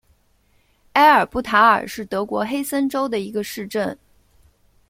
埃尔布塔尔是德国黑森州的一个市镇。